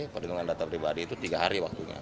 perlindungan data pribadi itu tiga hari waktunya